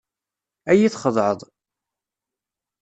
Ad yi-txedεeḍ.